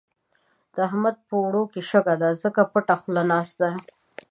د احمد په اوړو کې شګه ده؛ ځکه پټه خوله ناست دی.